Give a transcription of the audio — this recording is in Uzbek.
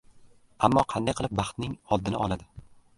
Ammo qanday qilib baxtning oldini oladi?